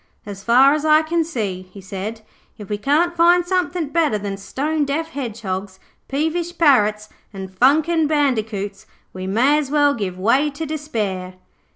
'As far as I can see,' he said, 'if we can't find somethin' better than stone deaf hedgehogs, peevish parrots, and funkin' bandicoots we may as well give way to despair.'